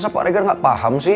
masa pak regar gak paham sih